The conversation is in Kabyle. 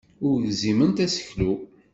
Ur gziment aseklu.